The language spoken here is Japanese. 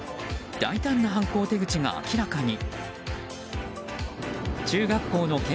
大胆な犯行手口が明らかに。